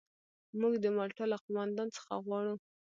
موږ د مالټا له قوماندان څخه غواړو.